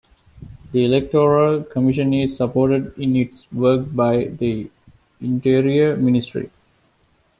The Electoral commission is supported in its work by the Interior Ministry.